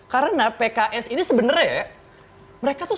karena pks ini sebenernya ya